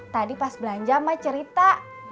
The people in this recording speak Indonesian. tadi pas belanja mak cerita